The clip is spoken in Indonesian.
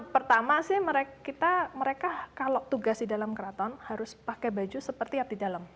pertama sih mereka kalau tugas di dalam keraton harus pakai baju seperti abdi dalam